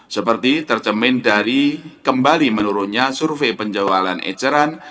seperti tercemin dari kembali menurunnya survei penjualan eceran